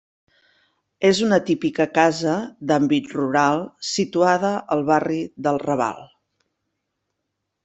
És una típica casa d'àmbit rural situada al barri del Raval.